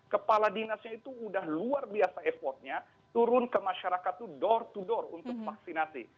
kepala dinasnya itu udah luar biasa effortnya turun ke masyarakat itu door to door untuk vaksinasi